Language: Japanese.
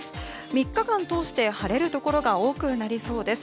３日間を通して晴れるところが多くなりそうです。